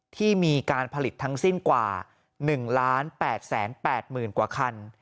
ที่มีการผลิตทั้งสิ้นกว่า๑๘๘๐๐๐กว่าคัน